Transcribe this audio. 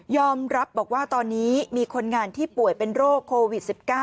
รับบอกว่าตอนนี้มีคนงานที่ป่วยเป็นโรคโควิด๑๙